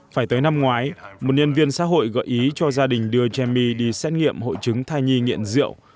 phải tới năm ngoái một nhân viên xã hội gợi ý cho gia đình đưa chami đi xét nghiệm hội chứng thai nhi nghiện rượu